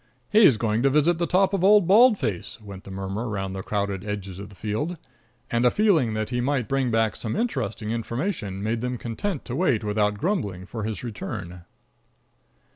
"He's going to visit the top of Old Bald Face!" went the murmur round the crowded edges of the field. And a feeling that he might bring back some interesting information made them content to wait, without grumbling, for his return.